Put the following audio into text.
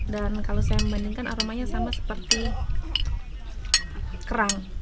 dan kalau saya membandingkan aromanya sama seperti kerang